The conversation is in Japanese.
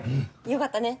よかったね